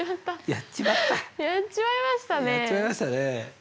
やっちまいましたねえ。